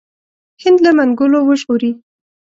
هند له منګولو وژغوري.